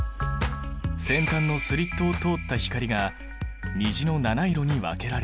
先端のスリットを通った光が虹の七色に分けられる。